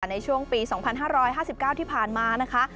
ในช่วงปี๒๕๕๙ที่ผ่านมานะคะ